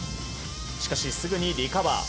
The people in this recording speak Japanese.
しかし、すぐにリカバー。